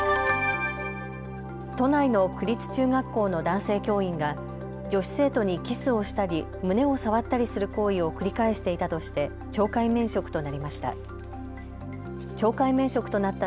都内の区立中学校の男性教員が女子生徒にキスをしたり胸を触ったりする行為を繰り返していたとして懲戒免職となりました。